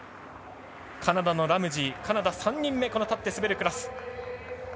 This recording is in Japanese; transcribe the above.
カナダのラムジーカナダ、３人目立って滑るクラス